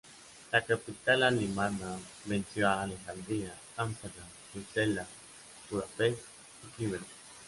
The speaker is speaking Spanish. La capital alemana venció a Alejandría, Ámsterdam, Bruselas, Budapest y Cleveland.